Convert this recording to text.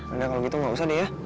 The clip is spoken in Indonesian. udah kalo gitu gak usah deh ya